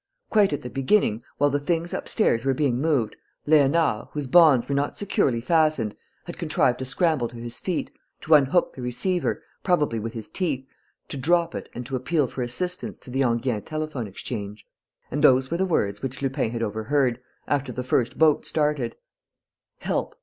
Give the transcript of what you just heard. Quite at the beginning, while the things upstairs were being moved, Léonard, whose bonds were not securely fastened, had contrived to scramble to his feet, to unhook the receiver, probably with his teeth, to drop it and to appeal for assistance to the Enghien telephone exchange. And those were the words which Lupin had overheard, after the first boat started: "Help!...